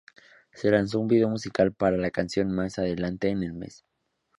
Se lanzó un video musical para la canción más adelante en el mes.